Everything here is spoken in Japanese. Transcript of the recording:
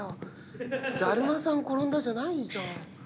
だるまさんがころんだじゃないじゃん。